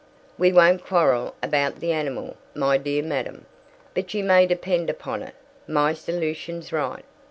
"We won't quarrel about the animal, my dear madam, but you may depend upon it, my solution's right.